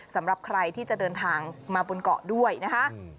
สำหรับใครที่จะเดินทางมาบนเกาะด้วยนะคะ